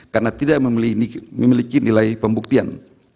karena tidak memiliki nilai pembuktian